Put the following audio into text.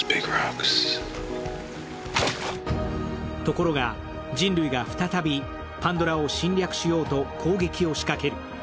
ところが、人類が再びパンドラを侵略しようと攻撃を仕掛ける。